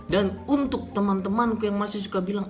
dan untuk teman temanku yang masih suka bilang